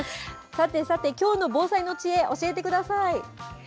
さてさて、きょうの防災の知恵、教えてください。